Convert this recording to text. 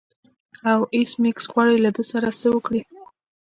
او ایس میکس غواړي له دې سره څه وکړي